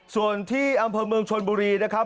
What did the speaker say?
ส่วนที่อำเภอเมืองชนบุรีนะครับ